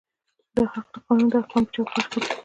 دا حق د قانون د احکامو په چوکاټ کې دی.